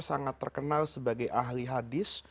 sangat terkenal sebagai ahli hadis